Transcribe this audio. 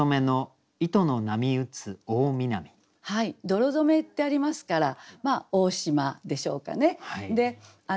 「泥染め」ってありますから大島でしょうかね。